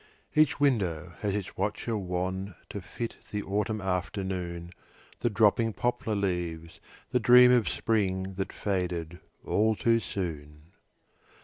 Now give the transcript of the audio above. Each window has its watcher wan To fit the autumn afternoon, The dropping poplar leaves, the dream Of spring that faded all too soon.